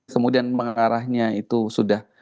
kemudian mengarahnya itu sudah